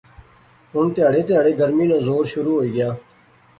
ہُن تیہڑے تیہڑے گرمی نا زور شروع ہوئی غیا